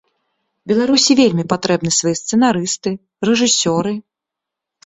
Беларусі вельмі патрэбны свае сцэнарысты, рэжысёры.